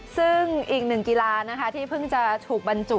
ซึ่งอีกหนึ่งกีฬานะคะที่เพิ่งจะถูกบรรจุ